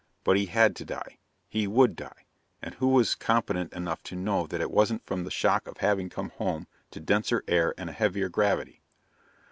But he had to die. He would die, and who was competent enough to know that it wasn't from the shock of having come home to denser air and a heavier gravity?